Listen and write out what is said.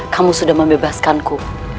kamu sudah membebaskanku